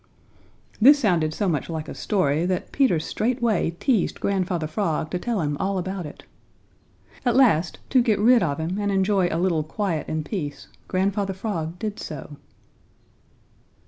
This sounded so much like a story that Peter straightway teased Grandfather Frog to tell him all about it. At last, to get rid of him and enjoy a little quiet and peace, Grandfather Frog did so.